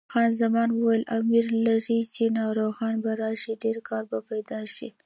خان زمان وویل: امید لرم چې ناروغان به راشي، ډېر کار به پیدا شي.